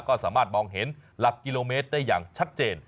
ก็สามารถมองเห็นหลักกิโลเมตรได้อย่างชัดเจน